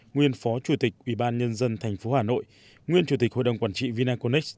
nguyên phó chủ tịch ubnd tp hà nội nguyên chủ tịch hội đồng quản trị vinaconex